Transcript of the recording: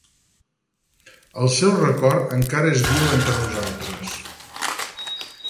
El seu record encara és viu entre nosaltres.